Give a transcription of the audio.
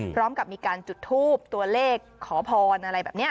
พร้อมกับมีการจุดทูบตัวเลขขอพรอะไรแบบนี้